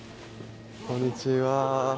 こんにちは。